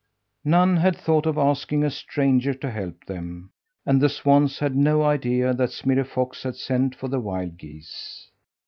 None had thought of asking a stranger to help them, and the swans had no idea that Smirre Fox had sent for the wild geese!